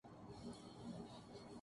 لوگوں کی مزید تصاویر بنائیں